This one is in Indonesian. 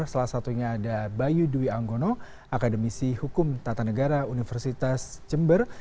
salah satunya ada bayu dwi anggono akademisi hukum tata negara universitas jember